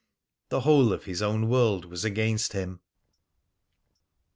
The whole of his own world was against him.